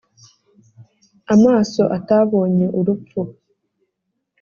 amaso atabonye urupfu,